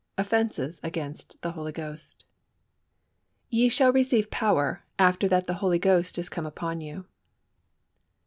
OFFENCES AGAINST THE HOLY GHOST. "Ye shall receive power after that the Holy Ghost is come upon you."